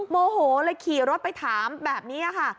โมโหเลยขี่รถไปถามแบบนี้ค่ะ